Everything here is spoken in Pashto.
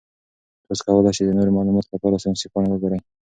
تاسو کولی شئ د نورو معلوماتو لپاره ساینسي پاڼې وګورئ.